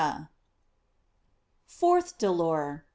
Fourth Dolor.